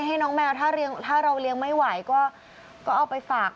ให้น้องแมวถ้าเราเลี้ยงไม่ไหวก็เอาไปฝาก